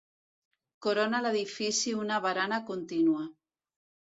Corona l'edifici una barana continua.